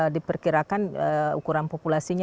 diperkirakan ukuran populasinya